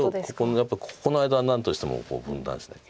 やっぱりここの間を何としても分断しなければ。